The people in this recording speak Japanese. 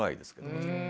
もちろん。